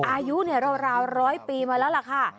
อายุเนี่ยราวร้อยปีมาแล้วล่ะค่ะ